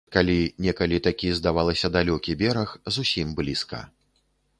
Калі некалі такі, здавалася, далёкі бераг, зусім блізка.